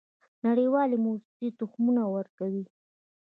نړیوالې موسسې تخمونه ورکوي.